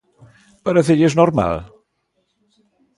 ¿Parécelles normal?